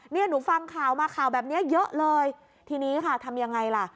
เนี่ยหนูฟังข่าวมาข่าวแบบนี้เยอะเลยทีนี้ค่ะทำยังไงล่ะ